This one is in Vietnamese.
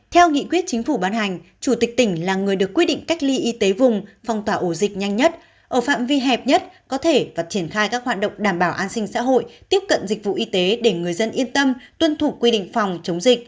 theo nghị quyết chính phủ ban hành chủ tịch tỉnh là người được quyết định cách ly y tế vùng phong tỏa ổ dịch nhanh nhất ở phạm vi hẹp nhất có thể và triển khai các hoạt động đảm bảo an sinh xã hội tiếp cận dịch vụ y tế để người dân yên tâm tuân thủ quy định phòng chống dịch